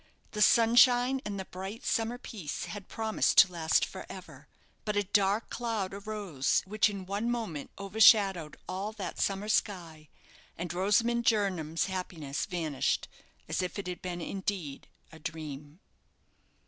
The sunshine and the bright summer peace had promised to last for ever; but a dark cloud arose which in one moment overshadowed all that summer sky, and Rosamond Jernam's happiness vanished as if it had been indeed a dream.